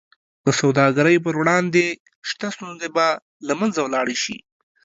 د سوداګرۍ پر وړاندې شته ستونزې به له منځه ولاړې شي.